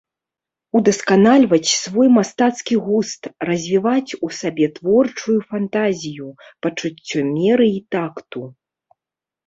Удасканальваць свой мастацкі густ, развіваць у сабе творчую фантазію, пачуццё меры і такту.